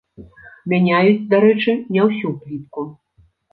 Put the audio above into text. Мяняюць, дарэчы, не ўсю плітку.